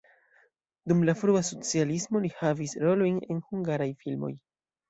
Dum la frua socialismo li havis rolojn en hungaraj filmoj.